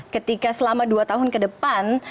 ketika selama dua tahun ke depan